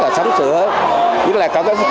và sắm sữa hết